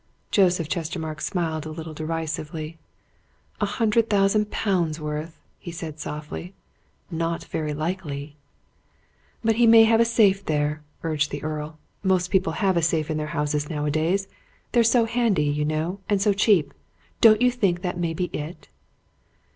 Joseph Chestermarke smiled a little derisively. "A hundred thousand pounds' worth!" he said softly. "Not very likely!" "But he may have a safe there," urged the Earl. "Most people have a safe in their houses nowadays they're so handy, you know, and so cheap. Don't you think that may be it?"